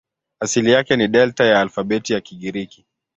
Asili yake ni Delta ya alfabeti ya Kigiriki.